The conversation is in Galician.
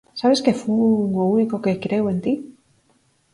Sabes que fun o único que creu en ti?